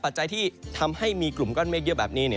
จัยที่ทำให้มีกลุ่มก้อนเมฆเยอะแบบนี้